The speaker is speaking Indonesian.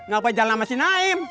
gak pajak sama si naim